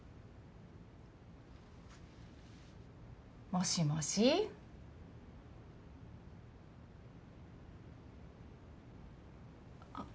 もしもし？あっ。